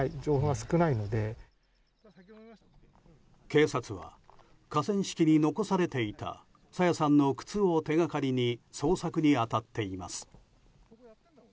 警察は、河川敷に残されていた朝芽さんの靴を手掛かりに捜索に当たっています。